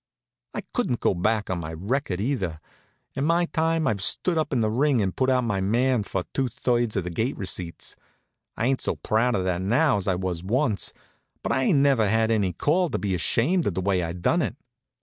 I couldn't go back on my record, either. In my time I've stood up in the ring and put out my man for two thirds of the gate receipts. I ain't so proud of that now as I was once; but I ain't never had any call to be ashamed of the way I done it.